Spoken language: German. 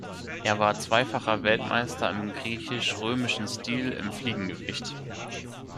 Er war zweifacher Weltmeister im griechisch-römischen Stil im Fliegengewicht.